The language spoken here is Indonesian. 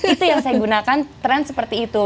itu yang saya gunakan tren seperti itu